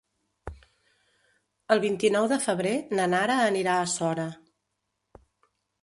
El vint-i-nou de febrer na Nara anirà a Sora.